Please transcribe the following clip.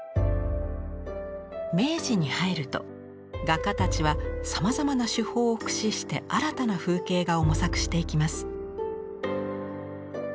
明治に入ると画家たちはさまざまな手法を駆使して新たな風景画を模索していきます。